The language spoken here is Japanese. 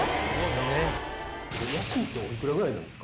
家賃っておいくらぐらいなんですか？